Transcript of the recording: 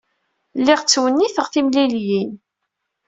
Lliɣ ttwenniteɣ timliliyin.